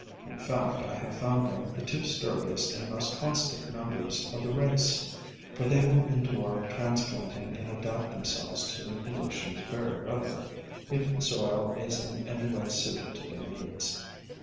In fact, I have found them the two sturdiest and most constant members of the race, for they will endure transplanting and adapt themselves to new conditions very readily, if the soil is in any way suited to their needs.